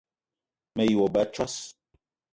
Me ye wo ba a tsos